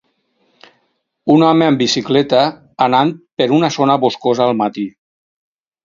Un home amb bicicleta anant per una zona boscosa al matí.